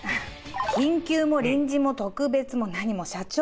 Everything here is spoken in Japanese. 緊急も臨時も特別も何も社長！